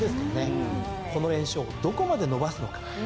この連勝をどこまで伸ばすのか。